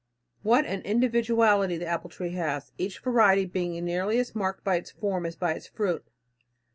What an individuality the apple tree has, each variety being nearly as marked by its form as by its fruit.